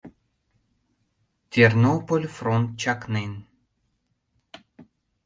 Тернополь фронт чакнен.